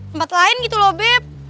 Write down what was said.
tempat lain gitu loh bebe